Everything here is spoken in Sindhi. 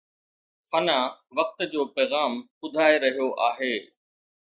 فنا وقت جو پيغام ٻڌائي رهيو آهي